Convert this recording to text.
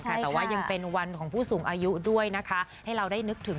แต่ว่ายังเป็นวันของผู้สูงอายุด้วยนะคะให้เราได้นึกถึง